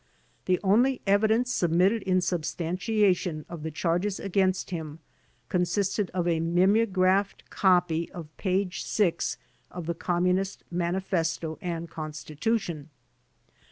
The only evidence submitted in substantiation of the charges against him consisted of a mimeographed copy of page six of the G)mmunist Mani festo and Constitution.